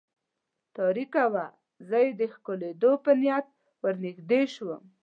تاریکه وه، زه یې د ښکلېدو په نیت ور نږدې شوم.